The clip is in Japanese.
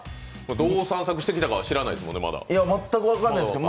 どこを散策してきたか分からないですもんね。